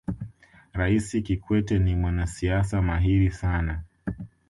raisi kikwete ni mwanasiasa mahiri sana